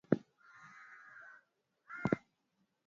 Hizi ni pamoja na vyanzo vya uchafuzi vilivyokadiriwa na programu